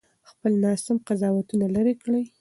خپل ناسم قضاوتونه لرې کړئ.